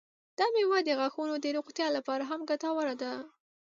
دا میوه د غاښونو د روغتیا لپاره هم ګټوره ده.